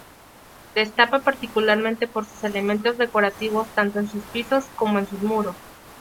Destaca particularmente por sus elementos decorativos tanto en sus pisos como en sus muros.